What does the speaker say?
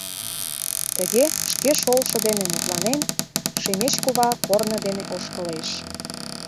Тыге, шке шолшо дене мутланен, Шемеч кува корно дене ошкылеш.